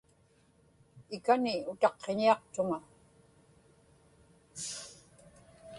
ikani utaqqiñiaqtuŋa